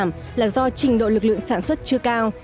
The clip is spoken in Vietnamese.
năng suất lao động bị giảm là do trình độ lực lượng sản xuất chưa cao